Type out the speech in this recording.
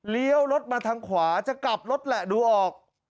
รถมาทางขวาจะกลับรถแหละดูออก